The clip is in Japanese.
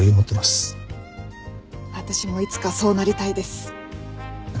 私もいつかそうなりたいです。